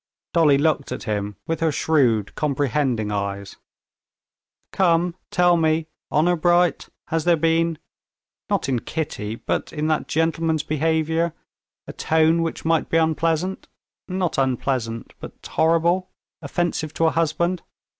Dolly looked at him with her shrewd, comprehending eyes. "Come, tell me, honor bright, has there been ... not in Kitty, but in that gentleman's behavior, a tone which might be unpleasant—not unpleasant, but horrible, offensive to a husband?"